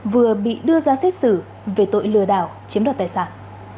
vừa bị đưa ra xét xử về tội lừa đảo chiếm đoạt tài sản